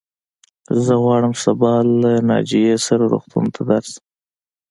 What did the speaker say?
زه غواړم سبا ته له ناجيې سره روغتون ته درشم.